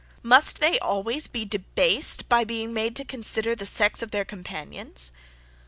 Must they always be debased by being made to consider the sex of their companions?